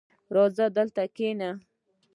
• راځه، دلته کښېنه.